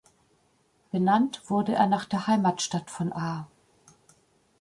Benannt wurde er nach der Heimatstadt von "A.